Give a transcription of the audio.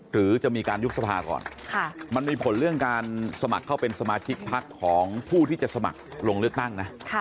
หรือจะมีการยุบสภาก่อนมันมีผลเรื่องการสมัครเข้าเป็นสมาชิกพักของผู้ที่จะสมัครลงเลือกตั้งนะ